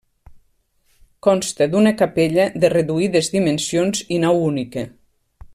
Consta d'una capella, de reduïdes dimensions i nau única.